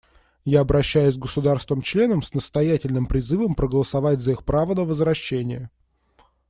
Я обращаюсь к государствам-членам с настоятельным призывом проголосовать за их право на возвращение.